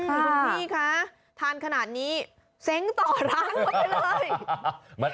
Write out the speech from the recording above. คุณพี่คะทานขนาดนี้เซ้งต่อร้านเราไปเลย